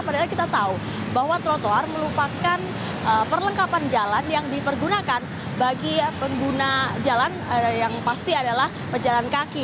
padahal kita tahu bahwa trotoar merupakan perlengkapan jalan yang dipergunakan bagi pengguna jalan yang pasti adalah pejalan kaki